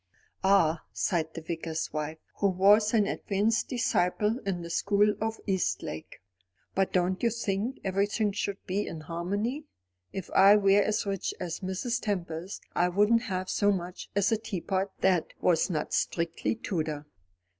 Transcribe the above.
"Ah," sighed the Vicar's wife, who was an advanced disciple in the school of Eastlake, "but don't you think everything should be in harmony? If I were as rich as Mrs. Tempest, I wouldn't have so much as a teapot that was not strictly Tudor."